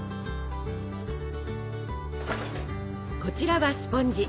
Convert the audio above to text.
こちらはスポンジ。